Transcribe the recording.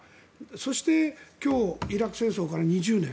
そして、今日イラク戦争から２０年。